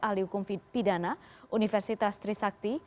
ahli hukum pidana universitas trisakti